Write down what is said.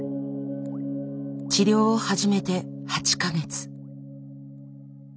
治療を始めて８か月。